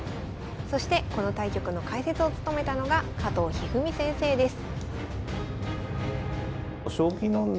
そしてこの対局の解説を務めたのが加藤一二三先生です。